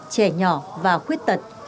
trẻ nhỏ và khuyết tật